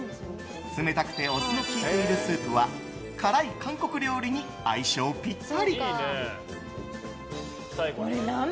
冷たくてお酢の効いているスープは辛い韓国料理に相性ピッタリ。